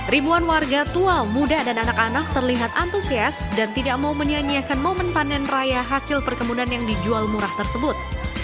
ribuan warga tua muda dan anak anak terlihat antusias dan tidak mau menyanyiakan momen panen raya hasil perkebunan yang dijual murah tersebut